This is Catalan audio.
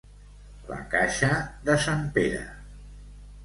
La caixa de sant Pere.